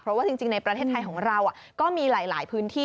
เพราะว่าจริงในประเทศไทยของเราก็มีหลายพื้นที่